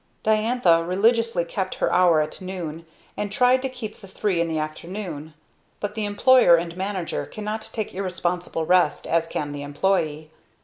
Diantha religiously kept her hour at noon, and tried to keep the three in the afternoon; but the employer and manager cannot take irresponsible rest as can the employee.